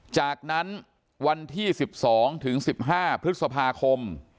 จากนั้นวันที่๑๒ถึง๑๕พฤษภาคม